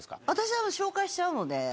私は紹介しちゃうので。